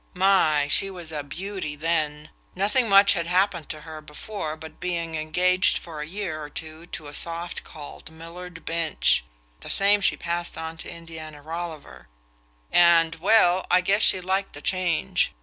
My! She was a beauty then. Nothing much had happened to her before but being engaged for a year or two to a soft called Millard Binch; the same she passed on to Indiana Rolliver; and well, I guess she liked the change.